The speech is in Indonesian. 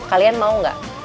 kalian mau enggak